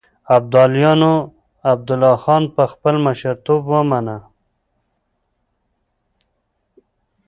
ابداليانو عبدالله خان په خپل مشرتوب ومنه.